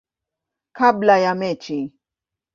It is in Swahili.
kabla ya mechi.